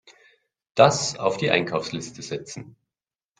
Das auf die Einkaufsliste setzen.